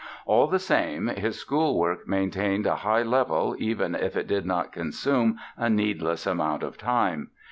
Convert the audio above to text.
All the same his school work maintained a high level, even if it did not consume a needless amount of time.